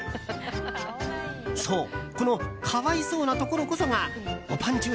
そう、この可哀想なところこそがおぱんちゅ